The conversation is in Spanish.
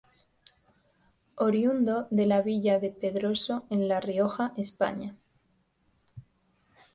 Oriundo de la villa de Pedroso en La Rioja, España.